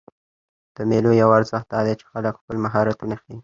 د مېلو یو ارزښت دا دئ، چې خلک خپل مهارتونه ښيي.